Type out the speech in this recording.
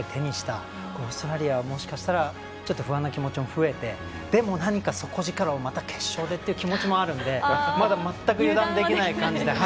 このオーストラリアはもしかしたら不安な気持ちも増えてでも、何か底力をまた決勝でという気持ちもあるのでまだ全く油断できない感じで。